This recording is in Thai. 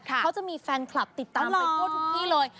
เขาจะมีแฟนคลับติดตามไปทั่วทุกที่เลย